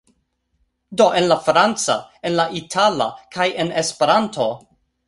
Do en la franca, en la itala, kaj en Esperanto.